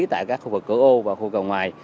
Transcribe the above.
tại các khu vực cửa ô và khu cầu ngoài